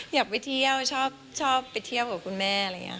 อยากไปเที่ยวชอบไปเที่ยวกับคุณแม่